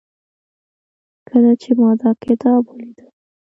کله چې ما دا کتاب وليده